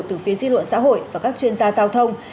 từ phía dư luận xã hội và các chuyên gia giao thông